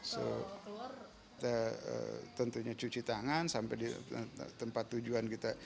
so tentunya cuci tangan sampai di tempat tujuan kita